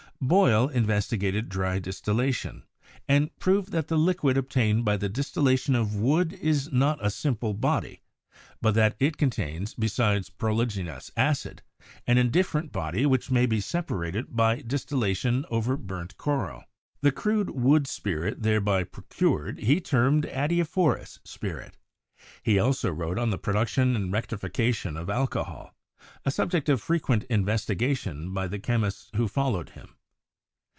Boyle investigated dry distillation, and proved that the DEVELOPMENT OF SPECIAL BRANCHES 147 liquid obtained by the distillation of wood is not a simple body, but that it contains, besides pyroligneous acid, an indifferent body which may be separated by distillation over burnt coral. The crude wood spirit thereby procured he termed "adiaphorous spirit." He also wrote on the production and rectification of alcohol, a subject of fre quent investigation by the chemists who followed him.